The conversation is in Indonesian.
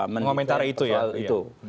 mengomentari soal itu